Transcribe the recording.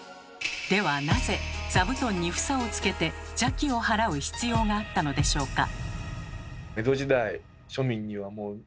ではなぜ座布団に房をつけて邪気を払う必要があったのでしょうか？